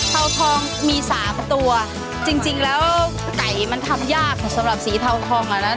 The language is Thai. เท้าทองมี๓ตัวจริงแล้วไก่มันทำยากสำหรับสีเท้าทองนะ